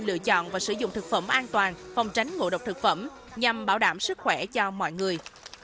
lựa chọn và sử dụng thực phẩm an toàn phòng tránh ngộ độc thực phẩm nhằm bảo đảm sức khỏe cho mọi người